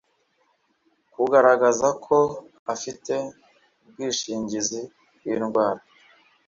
kugaragaza ko afite ubwishingizi bw indwara